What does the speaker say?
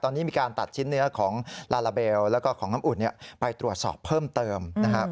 ตอนนี้มีการตัดชิ้นเนื้อของลาลาเบลแล้วก็ของน้ำอุ่นไปตรวจสอบเพิ่มเติมนะครับ